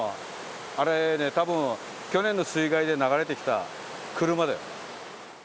あれね、たぶん去年の水害で流れてきた車だよ。